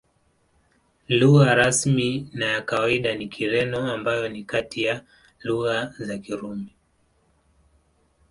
Lugha rasmi na ya kawaida ni Kireno, ambayo ni kati ya lugha za Kirumi.